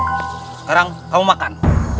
sekarang kamu makan